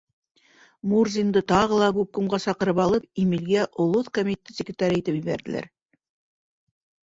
Мурзинды тағы ла губкомға саҡырып алып, Имелгә олоҫ комитеты секретары итеп ебәрҙеләр.